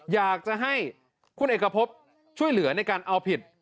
อยากจะให้คุณเอกพบช่วยเหลือในการเอาผิด